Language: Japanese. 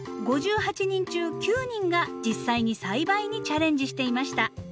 ５８人中９人が実際に栽培にチャレンジしていました。